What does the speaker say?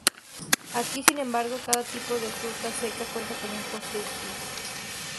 Aquí, sin embargo, cada tipo de fruta seca cuenta como un postre distinto.